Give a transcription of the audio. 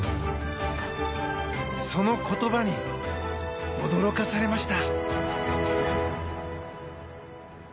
その言葉に驚かされました。